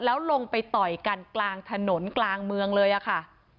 แล้วลงไปต่อยกันกลางถนนกลางเมืองเลยอะค่ะ